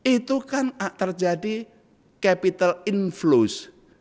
itu kan terjadi capital inflows